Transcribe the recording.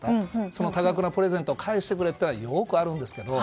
その多額のプレゼントを返してくれっていうのはよくあるんですけど。